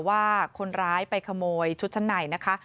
ว่าคนร้ายไปขโมยชุดชั้นในนะคะ